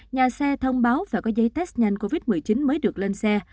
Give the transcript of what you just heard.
nhà xe thông báo phải có giấy test nhanh covid một mươi chín mới được lên xe